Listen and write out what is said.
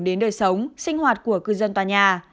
đến đời sống sinh hoạt của cư dân tòa nhà